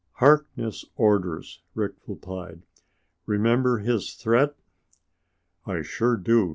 "Harkness' orders," Rick replied. "Remember his threat?" "I sure do!"